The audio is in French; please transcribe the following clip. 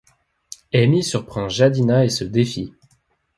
Amy surprend Jadina et se défie.